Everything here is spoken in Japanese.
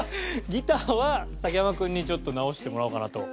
ギターは崎山君にちょっと直してもらおうかなと。